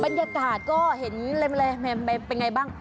บรรยากาศก็เห็นเลยเป็นไงบ้าง